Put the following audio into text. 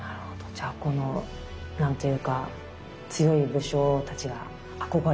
じゃあこの何て言うか強い武将たちが憧れるというか。